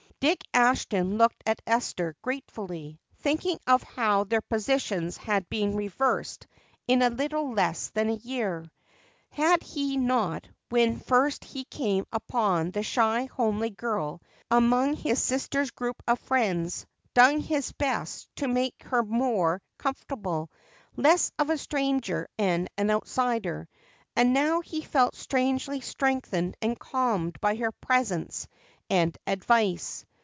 Dick Ashton looked at Esther gratefully, thinking of how their positions had been reversed in a little less than a year. Had he not, when first he came upon the shy, homely girl among his sister's group of friends, done his best to make her more comfortable, less of a stranger and an outsider, and now he felt strangely strengthened and calmed by her presence and advice.